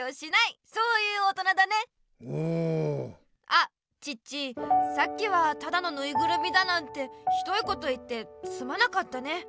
あチッチさっきはただのぬいぐるみだなんてひどいこと言ってすまなかったね。